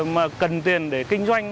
mà cần tiền để kinh doanh